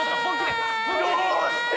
どうして！